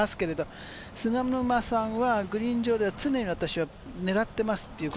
菅沼さんはグリーン上では常に狙ってます。